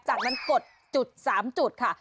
จากนั้นกดจุด๓จุดค่ะ